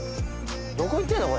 どこ行ってんの？